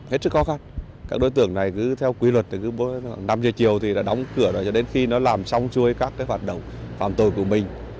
hết sức khó khăn các đối tượng này cứ theo quy luật cứ năm giờ chiều thì đóng cửa cho đến khi nó làm xong xuôi các phạt đồng phạm tội của mình